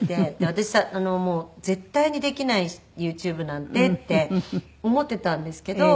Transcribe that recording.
私もう絶対にできないＹｏｕＴｕｂｅなんてって思っていたんですけど。